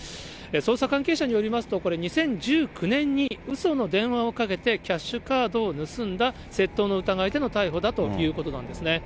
捜査関係者によりますと、これ、２０１９年にうその電話をかけてキャッシュカードを盗んだ、窃盗の疑いでの逮捕だということなんですね。